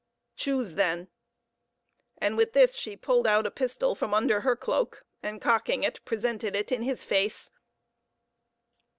Choose, then;" and with this she pulled out a pistol from under her cloak, and, cocking it, presented it in his face.